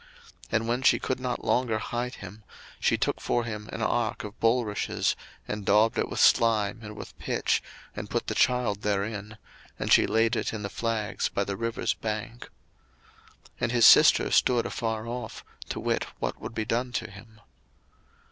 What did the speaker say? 02:002:003 And when she could not longer hide him, she took for him an ark of bulrushes, and daubed it with slime and with pitch, and put the child therein; and she laid it in the flags by the river's brink. 02:002:004 And his sister stood afar off, to wit what would be done to him.